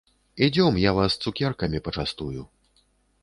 Ідзём, я вас цукеркамі пачастую.